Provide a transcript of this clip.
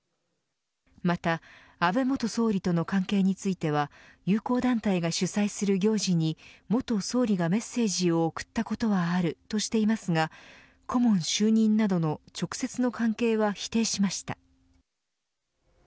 また安倍元総理との関係については友好団体が主催する行事に元総理がメッセージを送ったことはあるとしていますが顧問就任などの直接の関係は否定しました。